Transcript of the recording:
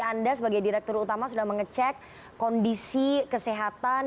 anda sebagai direktur utama sudah mengecek kondisi kesehatan